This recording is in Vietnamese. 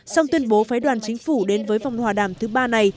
song tuyên bố phái đoàn chính phủ đến với vòng hòa đàm thứ ba này